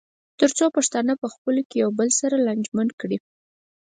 تر څو پښتانه پخپلو کې د یو بل سره لانجمن کړي.